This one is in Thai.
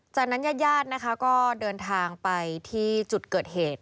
จากนั้นญาติญาตินะคะก็เดินทางไปที่จุดเกิดเหตุ